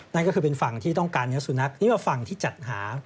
นั่นก็คือเป็นฝั่งที่ต้องการเนื้อสุนัขที่มาฝั่งที่จัดหา